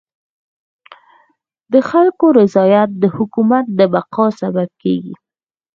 د خلکو رضایت د حکومت د بقا سبب کيږي.